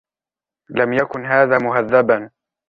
لم يكن هذا مهذبا.